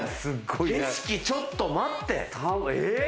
景色、ちょっと待って。